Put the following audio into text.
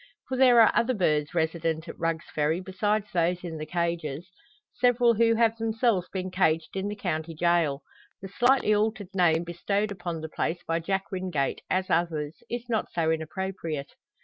For there are other birds resident at Rugg's Ferry besides those in the cages several who have themselves been caged in the county gaol. The slightly altered name bestowed upon the place by Jack Wingate, as others, is not so inappropriate.